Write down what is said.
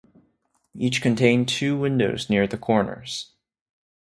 Each contains two windows near the corners.